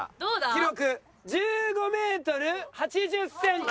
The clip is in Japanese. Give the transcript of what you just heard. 記録１５メートル８０センチ。